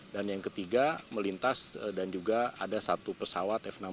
dan yang ketiga melintas dan juga ada satu pesawat f enam belas